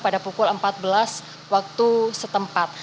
pada pukul empat belas waktu setempat